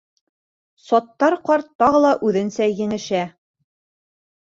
Саттар ҡарт тағы ла үҙенсә еңешә: